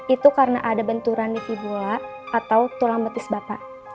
itu karena ada benturan nitibula atau tulang betis bapak